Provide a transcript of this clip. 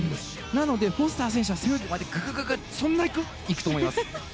なので、フォスター選手は背泳ぎでそんなに行く？行くと思います。